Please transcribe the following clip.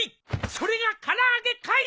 それが「唐揚げ返せ！」